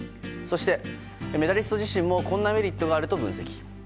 そして、メダリスト自身もこんなメリットがあると分析。